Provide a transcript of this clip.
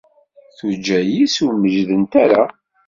Tuǧǧal-is ur meǧǧdent ara.